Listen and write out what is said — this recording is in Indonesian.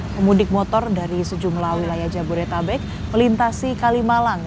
pemudik motor dari sejumlah wilayah jabodetabek melintasi kalimalang